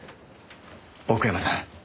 奥山さん。